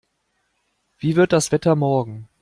Wie wird das Wetter morgen?